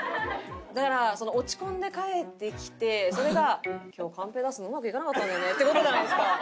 だから落ち込んで帰ってきてそれが「今日カンペ出すのうまくいかなかったんだよね」って事じゃないですか。